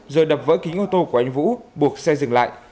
rồi đập vỡ kính ô tô của anh vũ buộc xe dừng lại